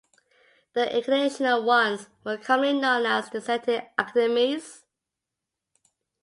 The educational ones were commonly known as Dissenting Academies.